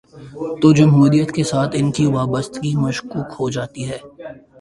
تو جمہوریت کے ساتھ ان کی وابستگی مشکوک ہو جا تی ہے۔